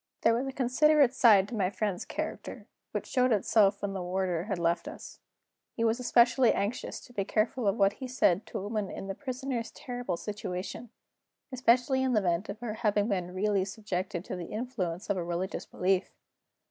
There was a considerate side to my friend's character, which showed itself when the warder had left us. He was especially anxious to be careful of what he said to a woman in the Prisoner's terrible situation; especially in the event of her having been really subjected to the influence of religious belief.